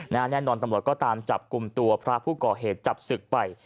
แน่นอนตำรวจก็ตามจับกลุ่มตัวพระผู้ก่อเหตุจับศึกไป